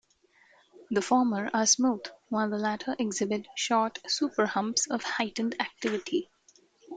The former are smooth, while the latter exhibit short "superhumps" of heightened activity.